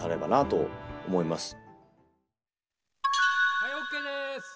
はいＯＫです！